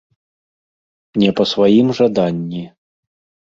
Не па сваім жаданні.